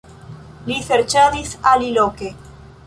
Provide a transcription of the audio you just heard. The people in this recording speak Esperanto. Li serĉadis aliloke.